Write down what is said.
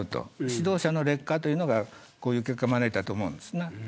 指導者の劣化というのがこういう結果を招いたと思います。